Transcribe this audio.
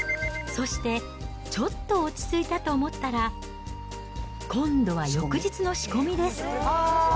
そして、ちょっと落ち着いたと思ったら、今度は翌日の仕込みです。